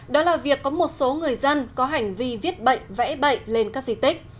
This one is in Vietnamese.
đó là việc có một số người dân có hành vi viết bệnh vẽ bệnh lên các di tích